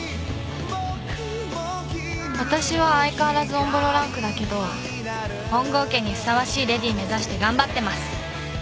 「わたしは相変わらずおんぼろランクだけど本郷家にふさわしい淑女目指して頑張ってます。